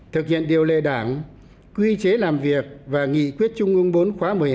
thực hiện điều lệ đảng quy chế làm việc và nghị quyết trung ương bốn khóa một mươi hai